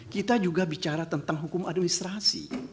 kita juga bicara tentang hukum administrasi